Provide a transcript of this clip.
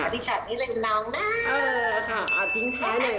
พี่ชัตรย์นี่หนังนะ